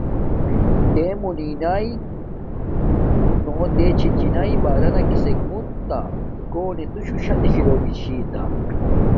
تے مونی نا ،نو تے چھی چی ناݵ بارانا کسک مون تاکو نو توشوہ شا دکھی کو گا چھتا۔